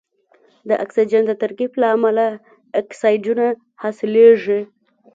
د اکسیجن د ترکیب له امله اکسایدونه حاصلیږي.